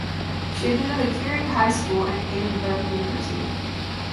She attended Currie High School and Edinburgh University.